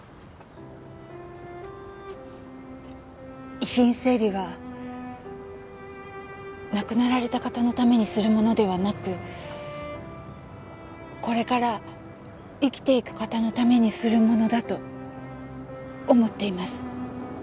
遺品整理は亡くなられた方のためにするものではなくこれから生きていく方のためにするものだと思っています。